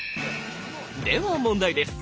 では問題です！